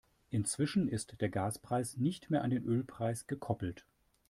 Inzwischen ist der Gaspreis nicht mehr an den Ölpreis gekoppelt.